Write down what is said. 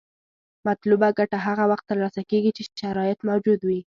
مطلوبه ګټه هغه وخت تر لاسه کیږي چې شرایط موجود وي.